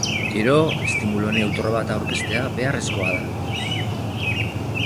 Gero, estimulu neutro bat aurkeztea beharrezkoa da.